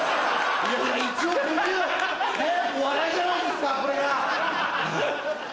お笑いじゃないですかこれが。